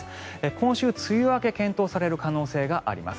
今週、梅雨明けが検討される可能性があります。